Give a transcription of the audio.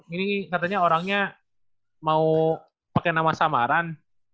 ini katanya orangnya mau pake nama samaran